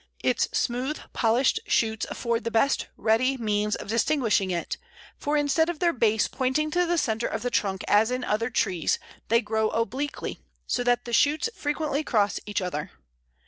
Its smooth, polished shoots afford the best ready means of distinguishing it, for instead of their base pointing to the centre of the trunk as in other trees, they grow obliquely, so that the shoots frequently cross each other.